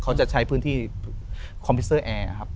เขาจะใช้พื้นที่คอมพิวเซอร์แอร์ครับ